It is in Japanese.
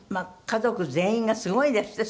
家族全員がすごいんですって？